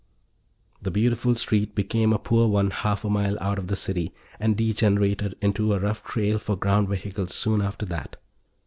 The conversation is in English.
The beautiful street became a poor one half a mile out of the city, and degenerated into a rough trail for ground vehicles soon after that.